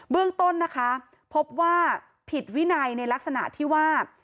เรื่องต้นนะคะพบว่าผิดวินัยในลักษณะที่ว่า